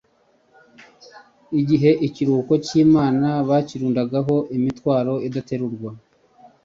igihe ikiruhuko cy'Imana bakirundagaho imitwaro idaterurwa.